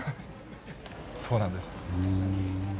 そうなんです。